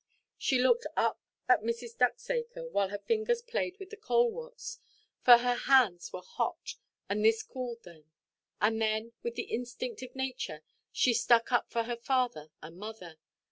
She looked up at Mrs. Ducksacre, while her fingers played with the coleworts, for her hands were hot, and this cooled them; and then, with the instinct of nature, she stuck up for her father and mother.